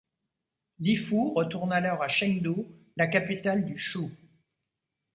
Li Fu retourne alors à Chengdu, la capitale du Shu.